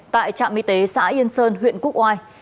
tại trạm y tế xã yên sơn huyện quốc oai